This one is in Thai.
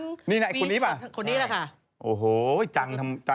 คนนี้หรือเปล่าคนนี้แหละค่ะใช่